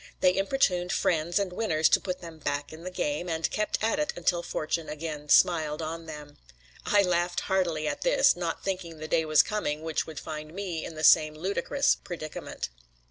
They importuned friends and winners to put them back in the game, and kept at it until fortune again smiled on them. I laughed heartily at this, not thinking the day was coming which would find me in the same ludicrous predicament.